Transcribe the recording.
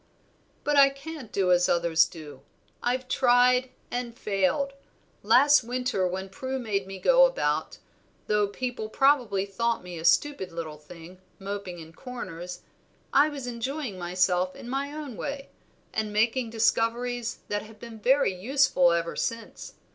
"But I can't do as others do; I've tried, and failed. Last winter, when Prue made me go about, though people probably thought me a stupid little thing, moping in corners, I was enjoying myself in my own way, and making discoveries that have been very useful ever since.